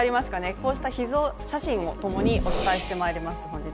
こうした秘蔵写真もともに本日はお伝えしてまいります。